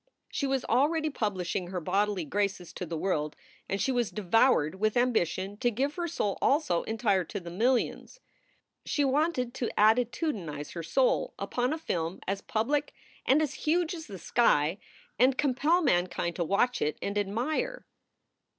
She was already publishing her bodily graces to the world and she was devoured with ambition to give her soul also entire to the millions. She wanted to attitudinize her soul upon a film as public and as huge as the sky and compel mankind to watch it and admire.